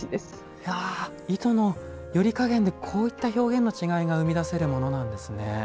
いや糸の撚り加減でこういった表現の違いが生み出せるものなんですね。